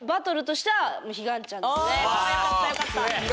よかったよかった！